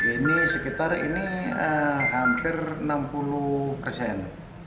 ini sekitar ini hampir enam puluh persen